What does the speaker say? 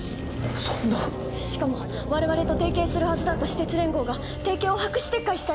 そんなしかも我々と提携するはずだった私鉄連合が提携を白紙撤回したいと！